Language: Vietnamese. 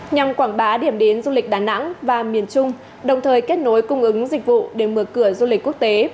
nhằm quảng bá điểm đến du lịch đà nẵng và miền trung đồng thời kết nối cung ứng dịch vụ để mở cửa du lịch quốc tế